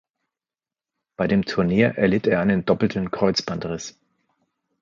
Bei dem Turnier erlitt er einen doppelten Kreuzbandriss.